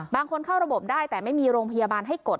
เข้าระบบได้แต่ไม่มีโรงพยาบาลให้กด